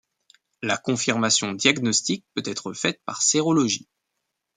La confirmation diagnostique peut être faite par sérologie.